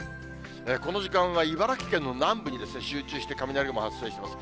この時間は茨城県の南部に集中して雷雲発生してます。